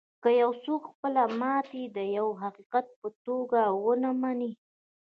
که یو څوک خپله ماتې د یوه حقیقت په توګه و نهمني